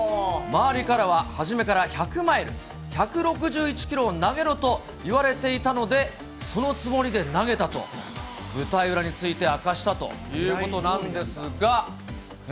周りからは初めから１００マイル、１６１キロを投げろと言われていたので、そのつもりで投げたと、舞台裏について明かしたということなんですが。